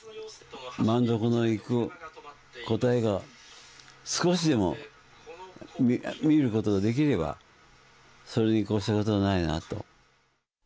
満足のいく答えが少しでも見ることができれば、それに越したことはないなと。